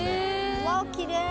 うわっきれい。